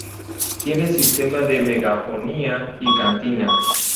Tiene sistema de megafonía y cantina.